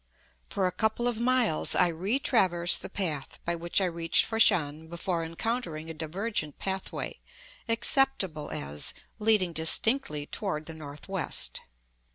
For a couple of miles I retraverse the path by which I reached Fat shan before encountering a divergent pathway, acceptable as, leading distinctly toward the northwest.